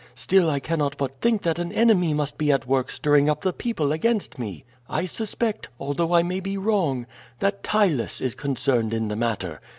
Still I cannot but think that an enemy must be at work stirring up the people against me. I suspect, although I may be wrong, that Ptylus is concerned in the matter.